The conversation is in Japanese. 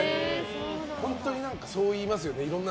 本当にそう言いますよね。